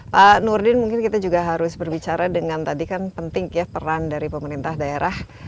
pak nurdin mungkin kita juga harus berbicara dengan tadi kan penting ya peran dari pemerintah daerah